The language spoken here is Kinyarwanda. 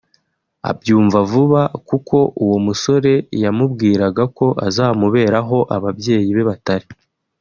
abyumva vuba kuko uwo musore yamubwiraga ko azamubera aho ababyeyi be batari